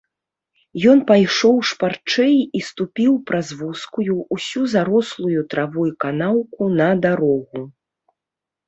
Ён пайшоў шпарчэй і ступіў праз вузкую, усю зарослую травой канаўку на дарогу.